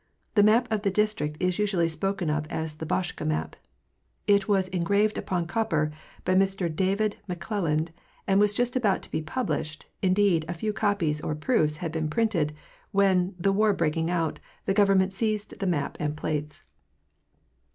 The map of the District is usually spoken of as the Boschke map. It was engraved upon copper by Mr David McClelland, and was just about to be pub lished—indeed, a few copies or proofs had been printed—when, the war breaking out, the Government seized the map and plates.